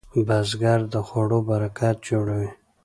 بزګر د خوړو برکت جوړوي